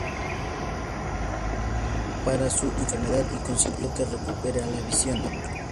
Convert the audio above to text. Luego ella busca una cura para su enfermedad y consigue que recupere la visión.